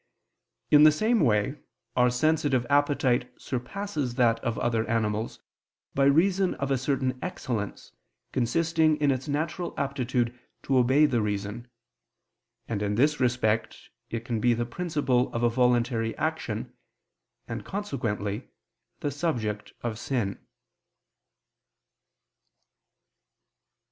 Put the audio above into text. In the same way our sensitive appetite surpasses that of other animals by reason of a certain excellence consisting in its natural aptitude to obey the reason; and in this respect it can be the principle of a voluntary action, and, consequently, the subject of sin.